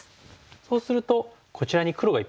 そうするとこちらに黒がいっぱいありますからね。